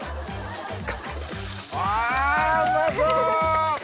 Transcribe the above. わうまそう！